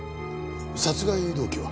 殺害動機は？